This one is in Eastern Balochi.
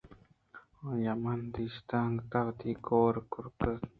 آئی ءَ من دیست انگتءَوتءَ کور ءُکرّ کُت